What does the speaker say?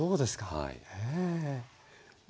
はい。